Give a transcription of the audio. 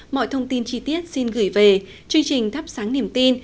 mọi thông tin chi tiết xin gửi về chương trình thắp sáng niềm tin